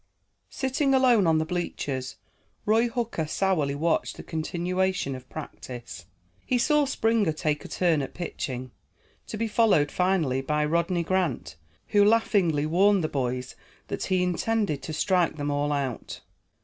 Sitting alone on the bleachers, Roy Hooker sourly watched the continuation of practice. He saw Springer take a turn at pitching, to be followed finally by Rodney Grant, who laughingly warned the boys that he intended to strike them all out.